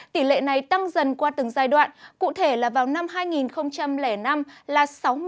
tỷ lệ này tăng dần qua từng giai đoạn cụ thể là vào năm hai nghìn năm là sáu mươi